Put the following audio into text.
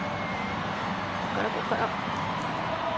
ここから、ここから。